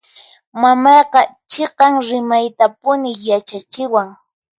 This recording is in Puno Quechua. Mamayqa chiqan rimaytapuni yachachiwan.